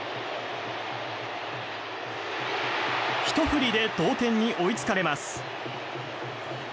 ひと振りで同点に追いつかれます。